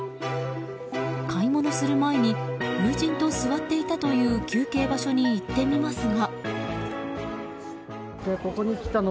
買い物する前に友人と座っていたという休憩場所に行ってみますが。